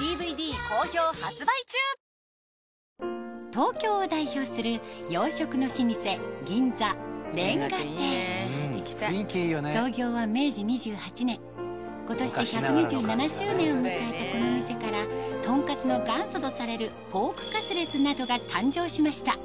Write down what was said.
東京を代表する洋食の老舗今年で１２７周年を迎えたこの店からとんかつの元祖とされるポークカツレツなどが誕生しました